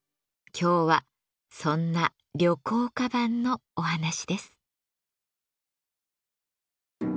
今日はそんな旅行鞄のお話です。